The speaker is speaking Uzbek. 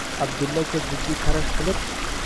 Abdulla aka jiddiy qarash qilib: